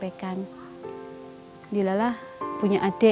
ketika anaknya pulang kerja ibu menguruskan buku